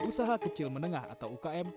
usaha kecil menengah atau ukm